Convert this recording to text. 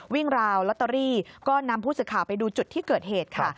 ราวลอตเตอรี่ก็นำผู้สื่อข่าวไปดูจุดที่เกิดเหตุค่ะ